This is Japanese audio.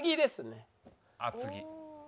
厚木。